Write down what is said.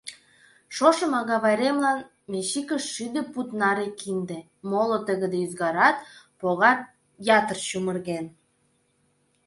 Шошым агавайремлан Мечикыш шӱдӧ пуд наре кинде, моло тыгыде ӱзгарат, погат ятыр чумырген.